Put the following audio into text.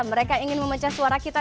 mereka ingin memecah suara kita